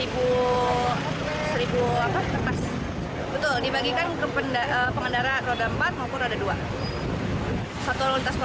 betul dibagikan ke pengendara roda empat maupun roda dua